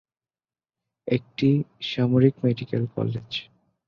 একটি সামরিক medical college.